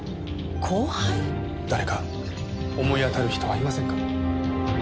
誰か思い当たる人はいませんか？